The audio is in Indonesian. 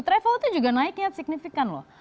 travel itu juga naiknya signifikan loh